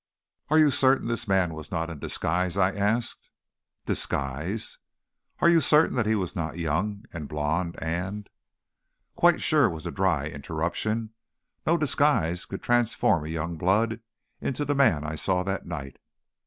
"Are you certain this man was not in disguise?" I asked. "Disguise?" "Are you certain that he was not young, and blond, and " "Quite sure," was the dry interruption. "No disguise could transform a young blood into the man I saw that night.